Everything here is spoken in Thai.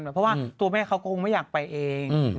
เพราะว่าตัวแม่เขาก็คงไม่อยากไปเอง